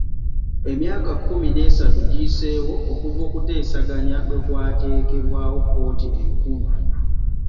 Emyaka kkumi n'esatu giyiseewo okuva okuteesaganya lwe kwateekebwawo kkooti enkulu.